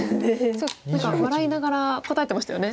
何か笑いながら答えてましたよね。